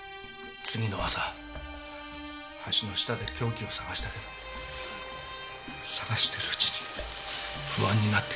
次の朝橋の下で凶器を捜したけど捜してるうちに不安になってきて。